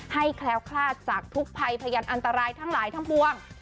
แคล้วคลาดจากทุกภัยพยานอันตรายทั้งหลายทั้งปวง